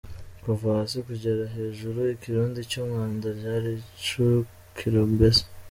Kuva hasi kugera hejuru ikirundo cy’umwanda, ryari icukiro mbese.